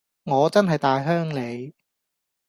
我真係大鄉里